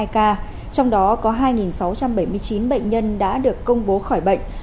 một mươi ba trăm năm mươi hai ca trong đó có hai sáu trăm bảy mươi chín bệnh nhân đã được công bố khỏi bệnh